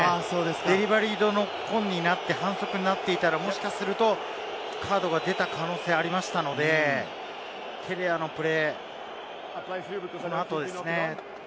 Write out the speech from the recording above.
デリバリーノックオンになって反則になっていたら、もしかするとカードが出た可能性ありましたので、テレアのプレー、この後ですね。